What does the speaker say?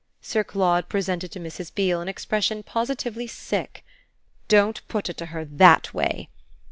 Sir Claude presented to Mrs. Beale an expression positively sick. "Don't put it to her THAT way!"